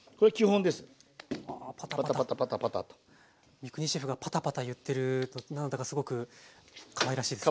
三國シェフがパタパタ言ってると何だかすごくかわいらしいですね。